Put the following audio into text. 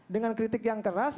dengan kritik yang keras